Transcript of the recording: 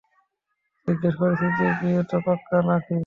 জিজ্ঞেস করছিস যে বিয়ে তো পাক্কা না-কি।